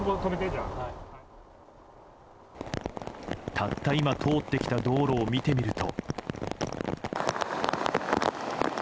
たった今通ってきた道路を見てみると。